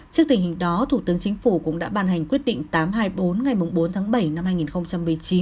trước tình hình đó thủ tướng chính phủ cũng đã ban hành quyết định tám trăm hai mươi bốn ngày bốn tháng bảy năm hai nghìn một mươi chín